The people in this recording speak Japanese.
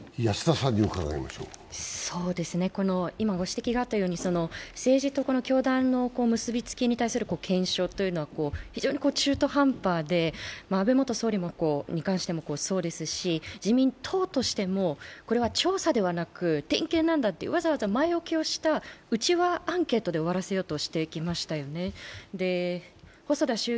今、ご指摘があったように政治と教団の結びつきに対する検証というのは非常に中途半端で、安倍元総理に関してもそうですし自民党としても、これは調査ではなく点検なんだとわざわざ前置きをした内輪アンケートで終わらせようとしてきましたよね。